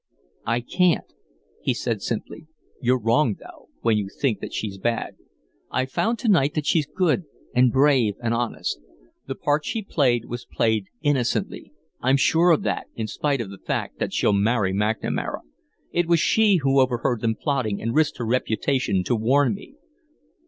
"I can't," he said, simply. "You're wrong, though, when you think she's bad. I found to night that she's good and brave and honest. The part she played was played innocently, I'm sure of that, in spite of the fact that she'll marry McNamara. It was she who overheard them plotting and risked her reputation to warn me."